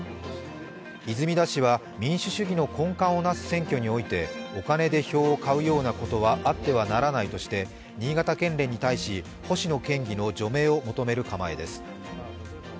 泉田氏は民主主義の根幹をなす選挙についてお金で票を買うようなことはあってはならないとして新潟県連に対し星野県議の除名を求める考えです